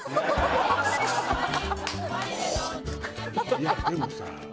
いやでもさ。